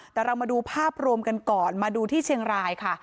แต่เรามาดูภาพรวมกันก่อนมาดูที่เชียงรายค่ะ